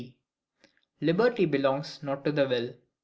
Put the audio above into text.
Liberty belongs not to the Will.